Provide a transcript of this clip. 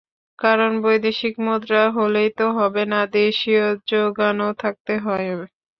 কারণ, বৈদেশিক মুদ্রা হলেই তো হবে না, দেশীয় জোগানও থাকতে হয়।